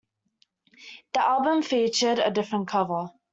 The album featured a different cover.